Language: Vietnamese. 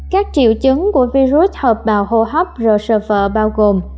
các triệu chứng của virus hợp bào hô hấp rsofor bao gồm